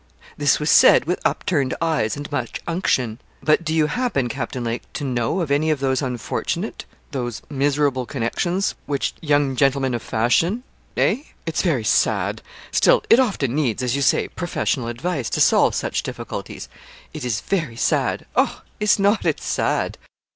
This was said with upturned eyes and much unction. 'But do you happen, Captain Lake, to know of any of those unfortunate, those miserable connections which young gentlemen of fashion eh? It's very sad. Still it often needs, as you say, professional advice to solve such difficulties it is very sad oh! is not it sad?'